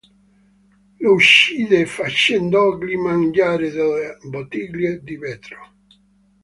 Lo uccide facendogli mangiare delle bottiglie di vetro.